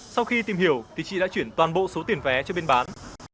sau khi tìm hiểu thì chị đã chuyển toàn bộ số tiền vé cho bên bán